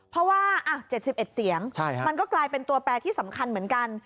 เพราะว่า๗๑เสียงมันก็กลายเป็นตัวแปรที่สำคัญเหมือนกัน